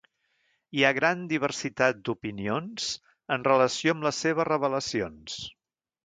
Hi ha gran diversitat d'opinions en relació amb les seves revelacions.